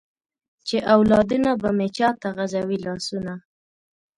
چې اولادونه به مې چاته غزوي لاسونه ؟